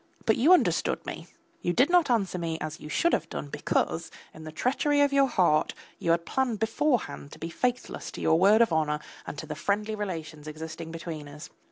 But you understood me; you did not answer me as you should have done because, in the treachery of your heart, you had planned beforehand to be faithless to your word of honour and to the friendly relations existing between us.